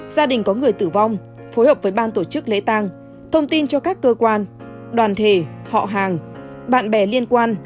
gia đình có người tử vong phối hợp với ban tổ chức lễ tang thông tin cho các cơ quan đoàn thể họ hàng bạn bè liên quan